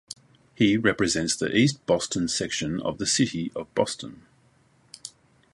He represents the East Boston section of the City of Boston.